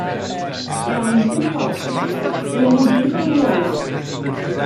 Iawn, dim probs, ddylai nhw i gyd fod yno rŵan.